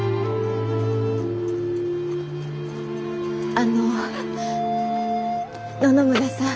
あの野々村さん。